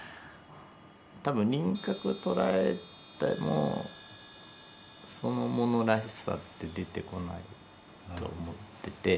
多分輪郭を捉えてもそのものらしさって出てこないと思ってて。